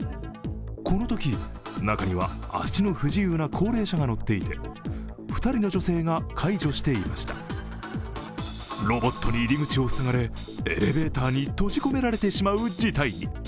このとき、中には足の不自由な高齢者が乗っていて、ロボットに入り口を塞がれ、エレベーターに閉じ込められてしまう事態に。